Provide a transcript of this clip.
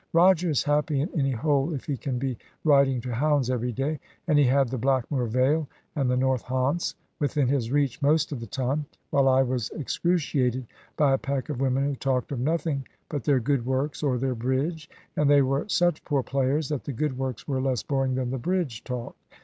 Roger is happy in any hole if he can be riding to hounds every day, and he had the Blackmoor Vale and the North Hants within his reach most of the time; while I was excruciated by a pack of women who talked of nothing but their good works or their bridge, and they were such poor players that the good works were less boring than the bridge talk.